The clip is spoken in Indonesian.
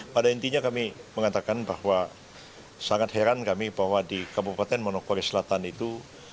pada intinya kami mengatakan bahwa sangat heran kami bahwa di kabupaten manokwari selatan itu